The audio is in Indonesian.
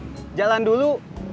ubed jalan dulu